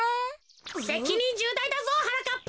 せきにんじゅうだいだぞはなかっぱ。